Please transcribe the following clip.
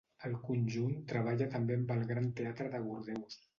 El conjunt treballa també amb el Gran Teatre de Bordeus.